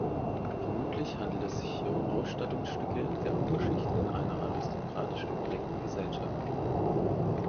Vermutlich handelt es sich hier um Ausstattungsstücke der Oberschicht in einer aristokratisch geprägten Gesellschaft.